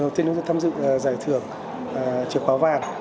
đầu tiên chúng tôi tham dự giải thưởng chìa khóa vàng